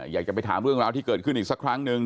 อยากจะไปถามเรื่องราวที่เกิดขึ้นอีกสักครั้งนึง